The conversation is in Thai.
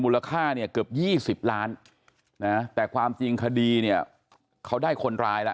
ค่าเนี่ยเกือบ๒๐ล้านนะแต่ความจริงคดีเนี่ยเขาได้คนร้ายแล้ว